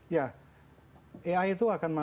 ya ai itu akan